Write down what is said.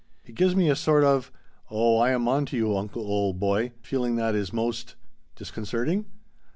It gives me a sort of 'Oh I am on to you, uncle old boy' feeling that is most " "Disconcerting?"